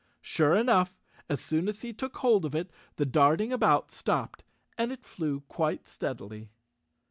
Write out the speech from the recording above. Sure enough, as soon as he took hold of it, the darting about stopped and it flew quite steadily.